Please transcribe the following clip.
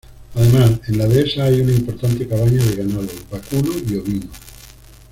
Además, en la dehesa hay una importante cabaña de ganado vacuno y ovino.